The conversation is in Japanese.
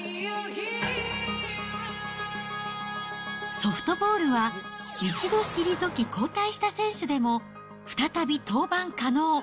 ソフトボールは一度退き、交代した選手でも、再び登板可能。